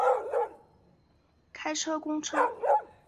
开车公车